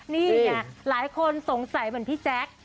นี่ไงหลายคนสงสัยเหมือนพี่แจ๊ค